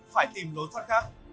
phải tìm lối thoát khác